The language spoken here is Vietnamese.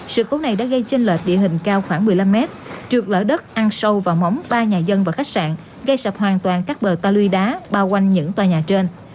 sự cố này đã gây trên lệch địa hình cao khoảng một mươi năm m trượt lỡ đất ăn sâu vào mỏng ba nhà dân và khách sạn gây sập hoàn toàn các bờ tà lưu đá bao quanh những tòa nhà trên